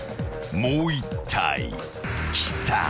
［もう１体来た］